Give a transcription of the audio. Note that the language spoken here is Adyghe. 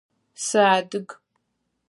Сыадыг.